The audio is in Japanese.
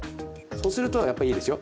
そうするとやっぱりいいですよ。